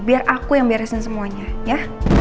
biar aku yang beresin semuanya ya